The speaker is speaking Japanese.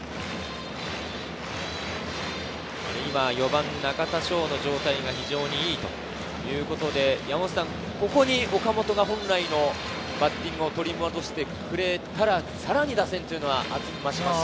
４番・中田翔の状態が非常にいいということで、ここに岡本が本来のバッティングを取り戻してくれたら、さらに打線は厚みをまします。